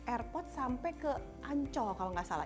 airport sampai ke ancol kalau nggak salah